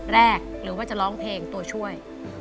หรือว่าจะร้องเพลงตัวช่วย